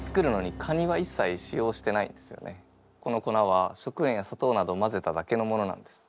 この粉は食塩やさとうなどをまぜただけのものなんです。